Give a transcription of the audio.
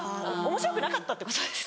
おもしろくなかったってこと？